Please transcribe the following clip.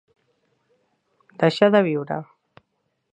Deixar de viure.